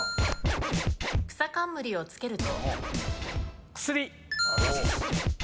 イナ？くさかんむりをつけると？